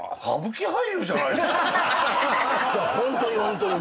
ホントにホントに。